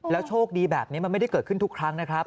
โชคดีแบบนี้มันไม่ได้เกิดขึ้นทุกครั้งนะครับ